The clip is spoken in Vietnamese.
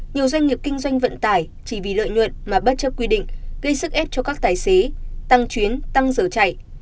nhiều doanh nghiệp kinh doanh vận tải chỉ vì lợi nhuận mà bất chấp quy định gây sức ép cho các tài xế tăng chuyến tăng giờ chạy